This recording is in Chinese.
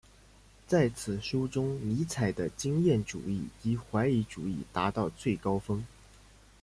在此书中尼采的经验主义及怀疑主义达到最高峰。